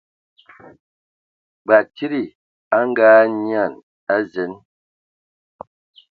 Batsidi a Ngaanyian a zen.